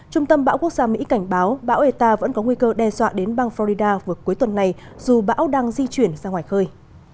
trung tâm bão quốc gia mỹ cảnh báo bão eta vẫn có nguy cơ đe dọa đến bang florida vừa cuối tuần này dù bão đang di chuyển ra ngoài khơi